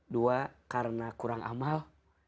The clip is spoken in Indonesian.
dua karena kurang amal